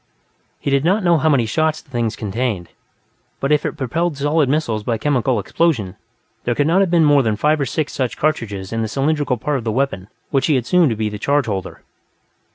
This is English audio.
He did not know how many shots the thing contained, but if it propelled solid missiles by chemical explosion, there could not have been more than five or six such charges in the cylindrical part of the weapon which he had assumed to be the charge holder.